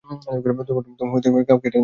দুর্ঘটনার মতো করে এটাকে সাজাতে পারি।